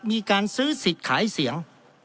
มีการซื้อสิทธิ์ขายเสียง